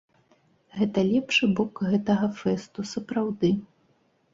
Гэта лепшы бок гэтага фэсту, сапраўды.